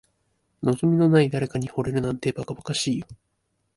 望みのない誰かに惚れるなんて、ばかばかしいよ。